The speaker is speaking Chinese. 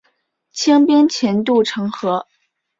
清兵潜渡城河。